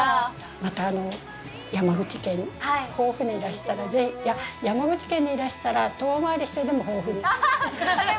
また山口県、防府にいらしたら、いや、山口県にいらしたら、遠回りしてでも、防府にぜひ。